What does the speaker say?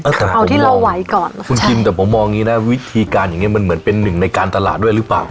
เอาที่เราไหวก่อนคุณคิมแต่ผมมองอย่างงี้นะวิธีการอย่างเงี้มันเหมือนเป็นหนึ่งในการตลาดด้วยหรือเปล่า